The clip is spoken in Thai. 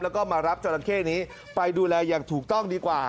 แล้วก็มารับจราเข้นี้ไปดูแลอย่างถูกต้องดีกว่า